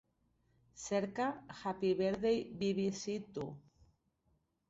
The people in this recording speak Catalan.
Cerca "Happy Birthday BBC Two".